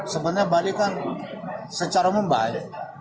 sebenarnya bali kan secara membaik